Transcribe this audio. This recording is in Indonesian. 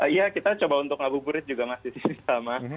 iya kita coba untuk ngabuburit juga masih sama